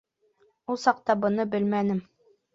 Ул саҡта быны белмәнем.